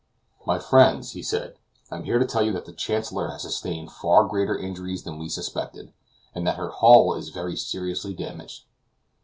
"My friends," he said, "I am here to tell you that the Chancellor has sustained far greater injuries than we suspected, and that her hull is very seriously damaged.